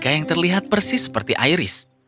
boneka yang terlihat persis seperti airis